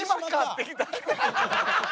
ってきた。